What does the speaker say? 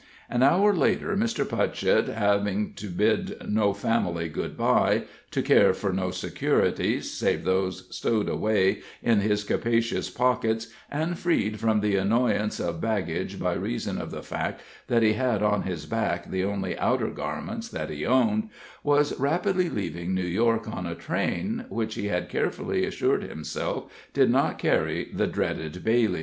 An hour later Mr. Putchett, having to bid no family good by, to care for no securities save those stowed away in his capacious pockets, and freed from the annoyance of baggage by reason of the fact that he had on his back the only outer garments that he owned, was rapidly leaving New York on a train, which he had carefully assured himself did not carry the dreaded Bayle.